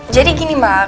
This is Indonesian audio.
jadi gini mbak